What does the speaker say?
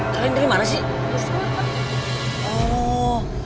kalian dari mana sih